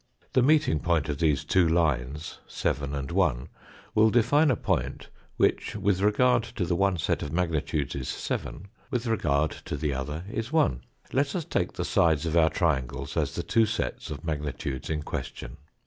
The meeting point of these two lines, 7 and 1, will define a point which with regard to the one set of magnitudes is 7, with regard to the other is 1. Let us take the sides of our triangles as the two sets of magnitudes in question.